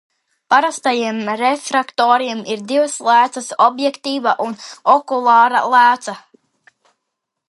Parastajiem refraktoriem ir divas lēcas – objektīva un okulāra lēca.